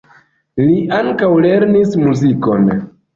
Li ankaŭ lernis muzikon.